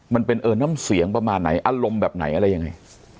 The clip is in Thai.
มันเป็นน้ำเสียงประมาณไหนอารมณ์แบบไหนอะไรยังไง